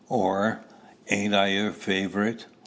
or, "Ain't I your favorite?"